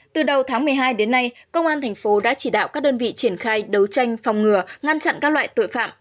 từ đầu tháng một mươi hai đến nay công an thành phố đã chỉ đạo các đơn vị triển khai đấu tranh phòng ngừa ngăn chặn các loại tội phạm